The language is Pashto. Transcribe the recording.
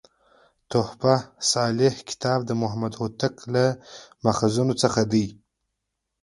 "تحفه صالح کتاب" د محمد هوتک له ماخذونو څخه دﺉ.